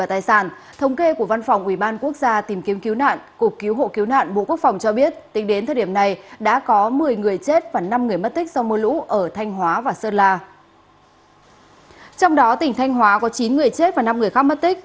trong đó tỉnh thanh hóa có chín người chết và năm người khác mất tích